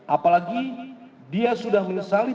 apalagi dia sudah menyesali